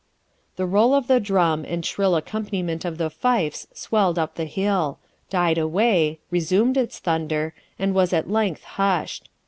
The roll of the drum and shrill accompaniment of the fifes swelled up the hill died away resumed its thunder and was at length hushed.